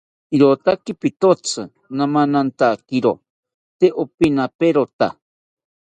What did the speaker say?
Iroka pitotzi namanantakiro tee opinaperota